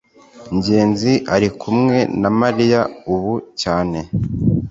ngenzi ari kumwe na mariya ubu cyane